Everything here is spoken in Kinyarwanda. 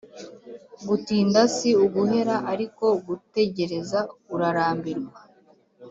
Gutinda si uguhera ariko gutegereza urarambirwa